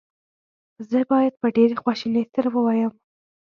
زه باید په ډېرې خواشینۍ سره ووایم.